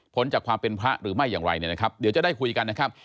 จากความเป็นพระหรือไม่อย่างไรเนี่ยนะครับเดี๋ยวจะได้คุยกันนะครับ